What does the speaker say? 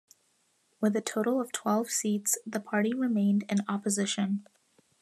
With a total of twelve seats, the party remained in opposition.